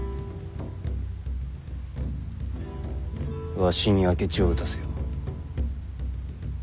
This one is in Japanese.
わしに明智を討たせよ。